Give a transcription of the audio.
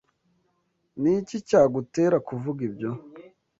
Niki cyagutera kuvuga ibyo?